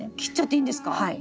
はい。